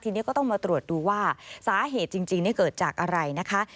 ทีนี้ก็ต้องมาตรวจดูว่าสาเหตุจริงเกิดจากอะไรนะคะ